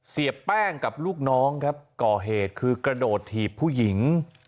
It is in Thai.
เสียแป้งกับลูกน้องครับก่อเหตุคือกระโดดถีบผู้หญิง